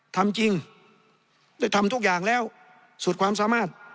ทำจริงได้ทำทุกอย่างแล้วสุดความสามารถ